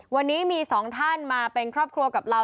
วันนี้มีสองท่านมาเป็นครอบครัวกับเรา